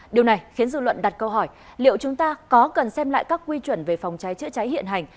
điều này khiến dư luận đặt câu hỏi liệu chúng ta có cần xem lại các quy chuẩn về phòng cháy chữa cháy hiện hành